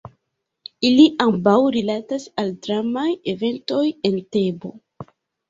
Ili ambaŭ rilatas al dramaj eventoj en Tebo.